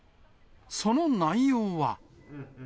その内容は。